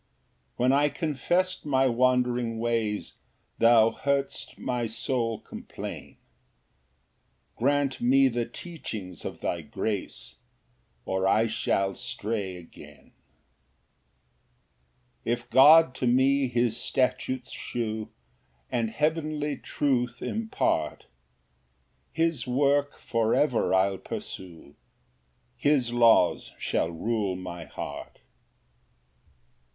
26. 4 When I confess'd my wandering ways, Thou heardst my soul complain; Grant me the teachings of thy grace, Or I shall stray again. Ver. 33 34. 5 If God to me his statutes shew, And heavenly truth impart, His work for ever I'll pursue, His laws shall rule my heart.